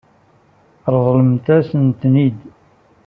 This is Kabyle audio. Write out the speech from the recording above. Ṛeḍlemt-asen-tent-id.